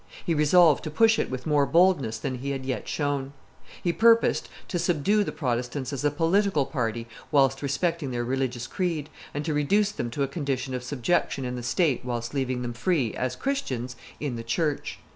He resolved to push it with more boldness than he had yet shown. He purposed to subdue the Protestants as a political party whilst respecting their religious creed, and to reduce them to a condition of subjection in the state whilst leaving them free, as Christians, in the church.